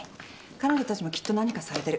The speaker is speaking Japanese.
彼女たちもきっと何かされてる。